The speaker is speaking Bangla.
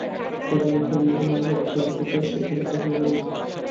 সেইজন্য হরিমোহিনীর বক্রোক্তিতে সে কুণ্ঠিত হইয়া পড়িল।